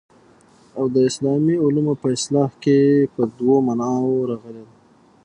او د اسلامي علومو په اصطلاح کي په دوو معناوو راغلې ده.